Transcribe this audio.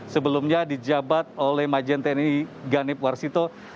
sebelumnya dijabat oleh majen tni ganip warsito